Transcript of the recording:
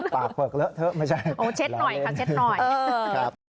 ปากเบิกเลอะเทอะไม่ใช่ไหมล้างเล่นโอ้เช็ดหน่อยค่ะเช็ดหน่อย